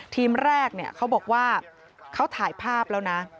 ทีมแรกเขาบอกว่าเขาถ่ายภาพแล้วนะ